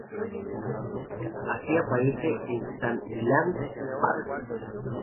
Así aparece en "San Millán", pag.